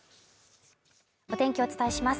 お天気をお伝えします。